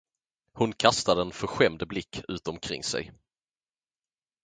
Hon kastade en förskrämd blick ut omkring sig.